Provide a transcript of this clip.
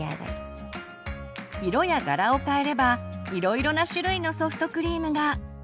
色や柄を変えればいろいろな種類のソフトクリームが。